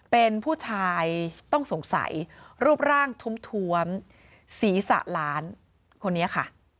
เป็นผู้ชายต้องสงสัยรูปร่างทวมศีรษะล้านคนนี้ค่ะ